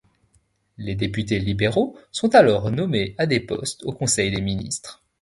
Les députés libéraux sont alors nommés à des postes au conseil des ministres.